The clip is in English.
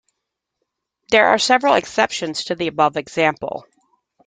There are several exceptions to the above example.